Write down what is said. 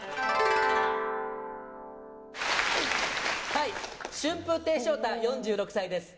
はい春風亭昇太４６歳です。